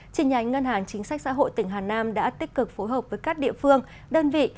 trình nhánh ngân hàng chính sách xã hội tỉnh hà nam đã tích cực phối hợp với các địa phương đơn vị